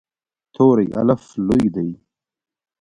توری “الف” لوی دی.